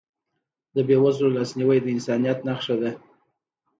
د بېوزلو لاسنیوی د انسانیت نښه ده.